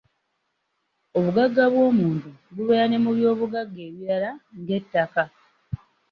Obugagga bw’omuntu bubeera ne mu by’obugagga ebirala ng’ettaka.